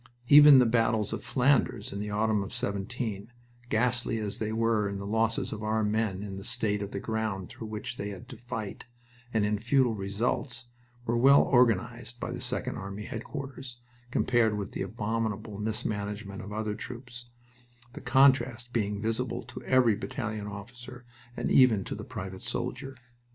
Even the battles of Flanders in the autumn of '17, ghastly as they were in the losses of our men in the state of the ground through which they had to fight, and in futile results, were well organized by the Second Army headquarters, compared with the abominable mismanagement of other troops, the contrast being visible to every battalion officer and even to the private soldier.